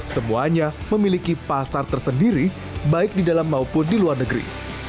semuanya memiliki pasar tersendiri baik di dalam maupun di luar negeri